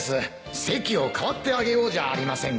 席をかわってあげようじゃありませんか